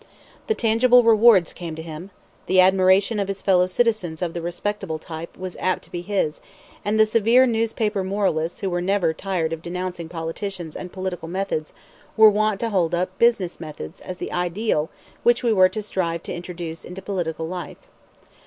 The tangible rewards came to him, the admiration of his fellow citizens of the respectable type was apt to be his, and the severe newspaper moralists who were never tired of denouncing politicians and political methods were wont to hold up "business methods" as the ideal which we were to strive to introduce into political life.